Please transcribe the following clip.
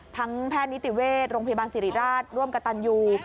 แพทย์นิติเวชโรงพยาบาลสิริราชร่วมกับตันยู